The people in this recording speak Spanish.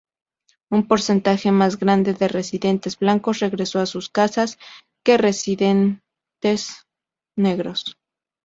Un porcentaje más grande de residentes blancos regresó a sus casas que residentes negros.